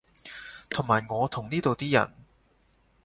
同埋我同呢度啲人